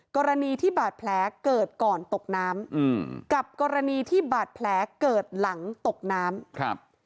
กรณีที่บาดแผลเกิดก่อนตกน้ำอืมกับกรณีที่บาดแผลเกิดหลังตกน้ำครับ